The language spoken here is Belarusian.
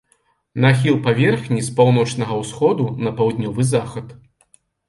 Нахіл паверхні з паўночнага ўсходу на паўднёвы захад.